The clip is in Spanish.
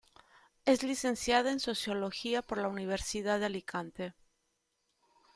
Es licenciada en Sociología por la Universidad de Alicante.